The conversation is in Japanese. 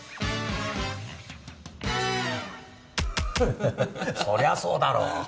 ハハハそりゃそうだろう。